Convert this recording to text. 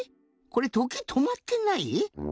これとけいとまってない？